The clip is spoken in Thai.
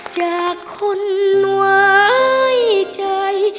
จากคนไว้ใจ